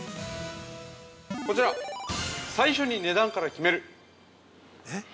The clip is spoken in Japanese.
◆こちら、最初に値段から決める。